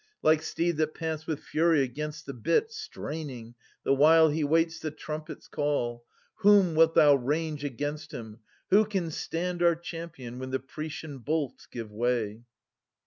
Like steed that pants with fury against the bit, Straining, the while he waits the trumpet's call. Whom wilt thou range against him ? Who can stand Our champion, when the Proetian bolts give way